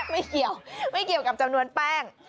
ไม่เกี่ยวไม่เกี่ยวกับจำนวนแป้ง